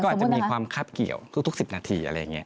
อาจจะมีความคับเกี่ยวทุก๑๐นาทีอะไรอย่างนี้